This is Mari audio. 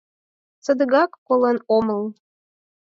Садыгак колен омыл!